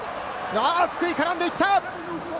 福井が絡んでいった！